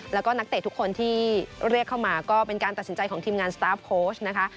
แล้วก็นักเตะทุกคนที่เรียกเข้ามาก็เป็นการตัดสินใจของทีมงานสตาร์ฟโค้ชนะคะ